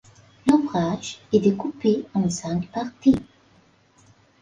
L'ouvrage est découpé en cinq parties.